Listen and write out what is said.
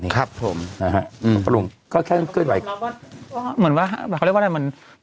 ครับผม